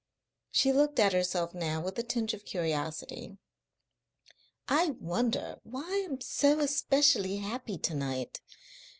She looked at herself now with a tinge of curiosity. "I wonder why I'm so especially happy to night.